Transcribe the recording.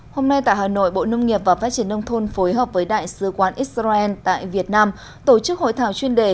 hôm nay tại hà nội bộ nông nghiệp và phát triển nông thôn phối hợp với đại sứ quán israel tại việt nam tổ chức hội thảo chuyên đề